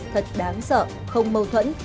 thật đáng sợ không mâu thuẫn